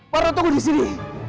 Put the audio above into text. waduh tunggu di sini